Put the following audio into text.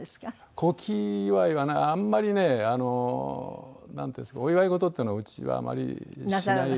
古希祝いはねあんまりねなんていうんですかお祝い事っていうのはうちはあまりしないですね。